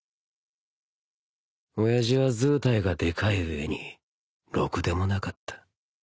親父はずうたいがでかい上にろくでもなかった